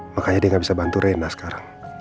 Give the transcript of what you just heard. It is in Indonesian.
makanya dia gak bisa bantu renda sekarang